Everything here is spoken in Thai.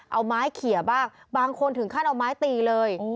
เอาไม้เขียบ้างบางคนถึงขั้นเอาไม้ตีเลย